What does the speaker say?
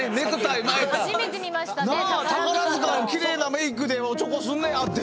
宝塚のきれいなメークでおちょこすんねやって。